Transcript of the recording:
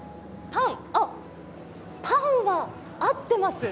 パンは合ってます。